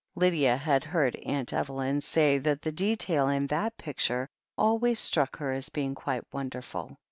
Lydia had heard Aunt Evelyn isay that the detail in that picture always struck her as being quite wonderful.